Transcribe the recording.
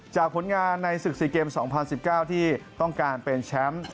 ผลงานในศึก๔เกม๒๐๑๙ที่ต้องการเป็นแชมป์